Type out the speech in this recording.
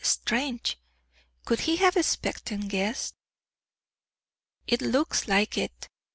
"Strange! Could he have expected guests?" "It looks like it.